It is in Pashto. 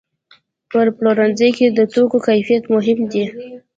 په پلورنځي کې د توکو کیفیت مهم دی.